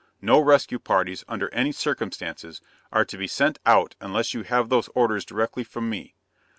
No rescue parties, under any circumstances, are to be sent out unless you have those orders directly from me.